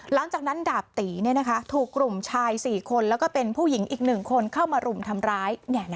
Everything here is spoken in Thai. หลังจากนั้นดาบตีถูกกลุ่มชาย๔คนแล้วก็เป็นผู้หญิงอีก๑คนเข้ามารุมทำร้าย